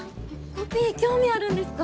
コピー興味あるんですか？